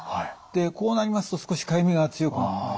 こうなりますと少しかゆみが強くなってまいります。